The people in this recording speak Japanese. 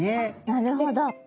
なるほど。